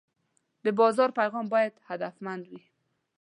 د بازار پیغام باید هدفمند وي.